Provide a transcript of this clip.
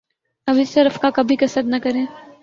آپ اس طرف کا کبھی قصد نہ کریں